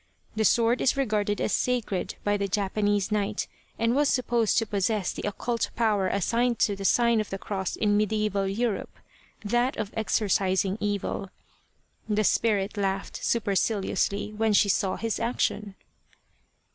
The sword is regarded as sacred by the Japanese knight and was supposed to possess the occult power assigned to the sign of the cross in mediaeval Europe that of exorcising evil. The spirit laughed superciliously when she saw his action.